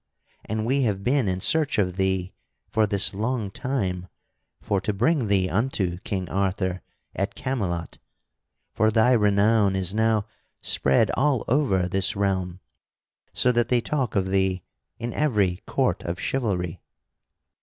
And we have been in search of thee for this long time for to bring thee unto King Arthur at Camelot. For thy renown is now spread all over this realm, so that they talk of thee in every court of chivalry."